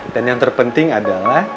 dan yang terpenting adalah